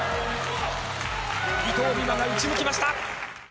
伊藤美誠が打ち抜きました。